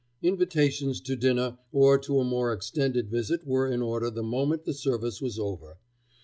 Invitations to dinner or to a more extended visit were in order the moment the service was over.